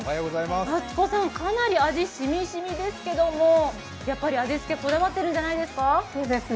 かなり味しみしみですけども、味付けこだわってるんじゃないですか？